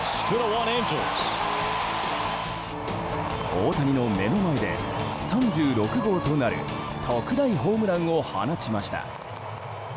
大谷の目の前で３６号となる特大ホームランを放ちました。